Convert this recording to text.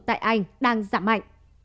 tại anh đang giảm mạnh